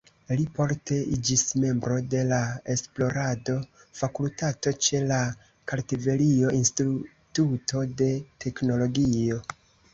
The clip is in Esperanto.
Li poste iĝis membro de la esplorado-fakultato ĉe la Kartvelio-Instituto de Teknologio.